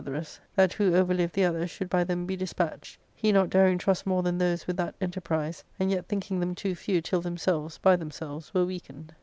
therefs, that who overlived the other should by them be despatched, he not daring, trust more than those with that enterprise, and yet thinking them too few till themselves, by themselves, were weakened.